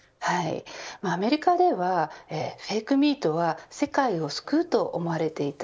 アメリカではフェイクミートは世界を救うと思われていた。